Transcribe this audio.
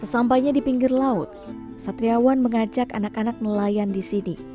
sesampainya di pinggir laut satriawan mengajak anak anak nelayan di sini